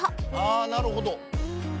ああなるほど。